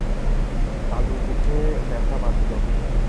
কালুর বুকে ব্যথা বাজল।